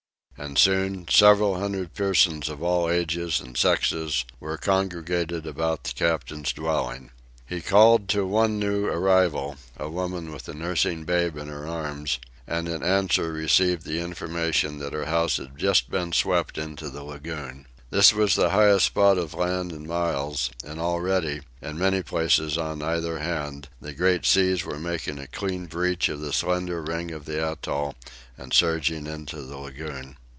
And soon several hundred persons of all ages and sexes were congregated about the captain's dwelling. He called to one new arrival, a woman with a nursing babe in her arms, and in answer received the information that her house had just been swept into the lagoon. This was the highest spot of land in miles, and already, in many places on either hand, the great seas were making a clean breach of the slender ring of the atoll and surging into the lagoon.